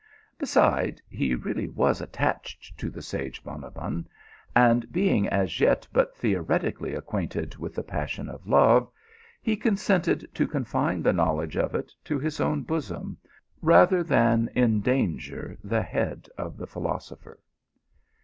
199 Beside, he really was attached to the sage Bonab bon, and being as yet but theoretically acquainted With the passion of love, he consented to confine the knowledge of it to his own bosom, rather than en danger the head of the philosopher.